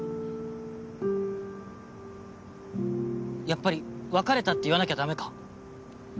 やっぱり「別れた」って言わなきゃダメか？